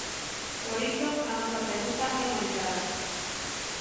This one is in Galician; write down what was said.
Por iso, a nosa pregunta é moi clara.